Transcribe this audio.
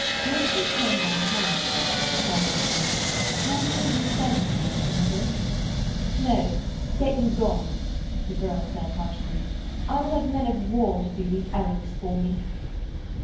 'Let me comb thy hair,' Katharine said; 'my hand is sovereign against a headache.' 'No, get you gone,' the girl said harshly; 'I will have men of war to do these errands for me.'